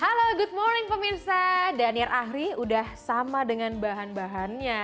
halo good morning pemirsa daniel ahri udah sama dengan bahan bahannya